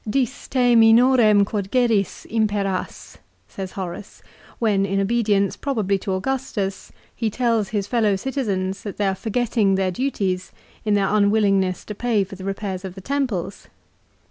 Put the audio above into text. " Dis te minorem quod geris, imperas," says Horace, when, in obedience probably to Augustus, he tells his fellow citizens that they are forgetting their duties in their unwillingness to pay for the repairs of the temples.